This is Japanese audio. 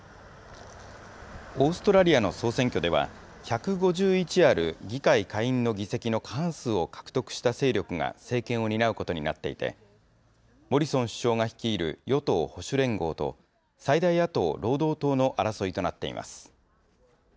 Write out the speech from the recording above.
オーストラリアの総選挙では、１５１ある議会下院の議席の過半数を獲得した勢力が政権を担うことになっていて、モリソン首相が率いる与党・保守連合と、最大野党・労働党の争いとなっています。